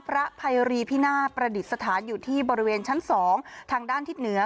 พระภัยรีพินาศประดิษฐานอยู่ที่บริเวณชั้น๒ทางด้านทิศเหนือ